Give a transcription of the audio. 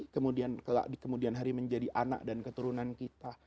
kemudian di kemudian hari menjadi anak dan keturunan kita